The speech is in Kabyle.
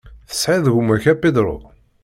Tesɛiḍ gma-k a Pedro?